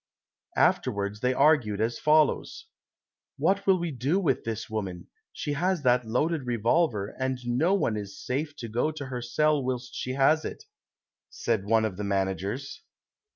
Afterwards they argued as follows :" What will we do with this woman ; she has that loaded revolver, and no one is safe to go to her cell whilst she has it ?" said one of the managers.